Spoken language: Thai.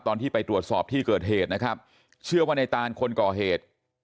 ตอนที่ไปตรวจสอบที่เกิดเหตุนะครับเชื่อว่าในตานคนก่อเหตุ